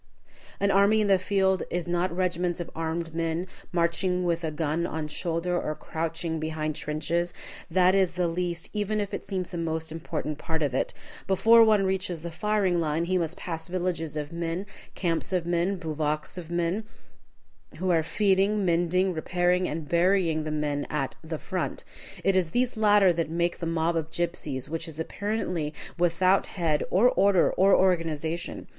An army in the field is not regiments of armed men, marching with a gun on shoulder, or crouching behind trenches. That is the least, even if it seems the most, important part of it. Before one reaches the firing line he must pass villages of men, camps of men, bivouacs of men, who are feeding, mending, repairing, and burying the men at the "front." It is these latter that make the mob of gypsies, which is apparently without head or order or organization.